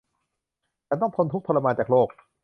ฉันต้องทนทุกข์ทรมานจากโรค